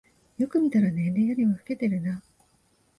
よく見たら年齢よりも老けてるな